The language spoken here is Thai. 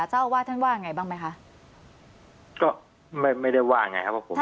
เจ้าอาวาสท่านว่าไงบ้างไหมคะก็ไม่ไม่ได้ว่าไงครับว่าผม